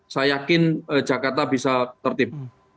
saya yakin jakarta bisa tertib